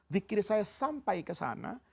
zikir saya sampai ke sana